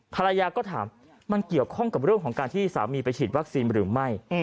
ภรรยาก็ถามมันเกี่ยวข้องกับเรื่องของการที่สามีไปฉีดวัคซีนหรือไม่